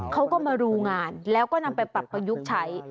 เขาก็มาดูงานแล้วก็นำไปปรับประยุกต์ใช้